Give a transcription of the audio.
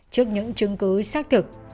trước những chứng cứ xác thực